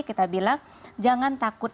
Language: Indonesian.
kita bilang jangan takut